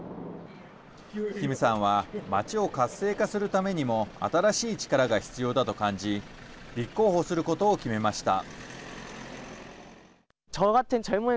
キムさんは街を活性化するためにも新しい力が必要だと感じ立候補することを決めました。